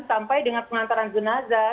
sampai dengan pengantaran jenazah